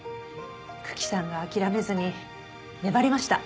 九鬼さんが諦めずに粘りました。